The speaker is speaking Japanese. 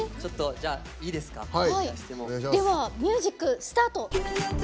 ミュージックスタート。